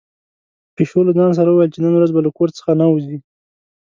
پيشو له ځان سره ویل چې نن ورځ به له کور څخه نه وځي.